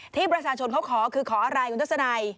ที่ประชาชนเขาขอคือขออะไรคุณทัศนัย